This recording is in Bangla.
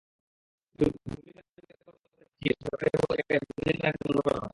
ভূমি কার্যালয়ের কর্মকর্তাদের পাঠিয়ে সরকারি জায়গায় ভবন নির্মাণের কাজ বন্ধ করা হবে।